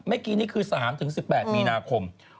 เมื่อกี้นี่คือ๓๑๘มีนาคม